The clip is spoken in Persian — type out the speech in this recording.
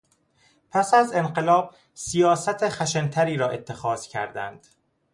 پس از انقلاب سیاست خشنتری را اتخاذ کردند.